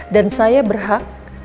dan saya berhak